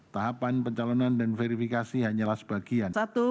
tahapan pencalonan dan verifikasi hanyalah sebagian